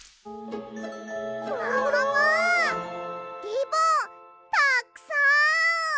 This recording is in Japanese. リボンたっくさん！